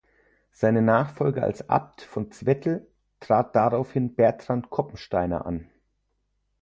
Seine Nachfolge als Abt von Zwettl trat daraufhin Bertrand Koppensteiner an.